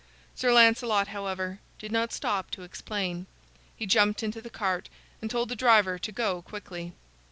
Sir Lancelot, however, did not stop to explain. He jumped into the cart and told the driver to go quickly.